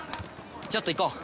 ちょっと行こう！